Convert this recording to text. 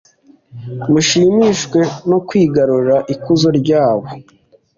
mushimishwe no kwigarurira ikuzo ryabo.